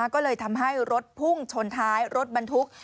ก็เลยทำให้รถพุ่งชนท้ายรถบรรทุก